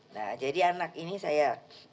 nah jadi anak ini saya